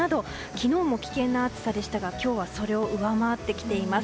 昨日も危険な暑さでしたが今日はそれを上回ってきています。